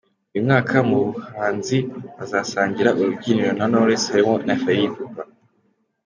Uyu mwaka, mu bahanzi bazasangira urubyiniro na Knowless harimo na Fally Ipupa.